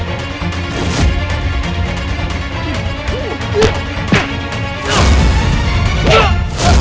untuk memberikan kesaksian